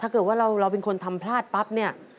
ถ้าเกิดว่าเราเป็นคนทำพลาดปั๊บเนี่ย